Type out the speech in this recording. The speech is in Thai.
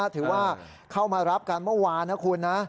ถือว่าเข้ามารับกันเมื่อวานนะคุณนะ